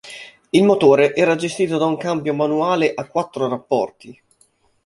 Il motore era gestito da un cambio manuale a quattro rapporti.